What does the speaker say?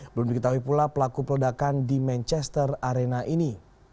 belum diketahui pula pelaku peledakan di manchester arena ini